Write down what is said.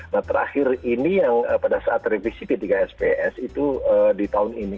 nah terakhir ini yang pada saat revisi p tiga sps itu di tahun ini